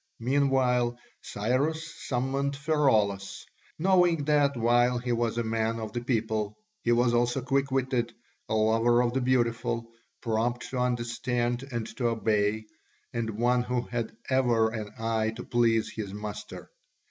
Meanwhile Cyrus summoned Pheraulas, knowing that, while he was a man of the people, he was also quick witted, a lover of the beautiful, prompt to understand and to obey, and one who had ever an eye to please his master.